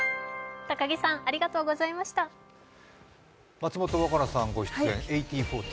松本若菜さんご出演「１８／４０」